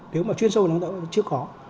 nếu mà chuyên sâu năng lượng tái tạo thì chưa khó